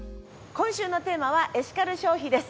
今週のテーマは「エシカル消費」です。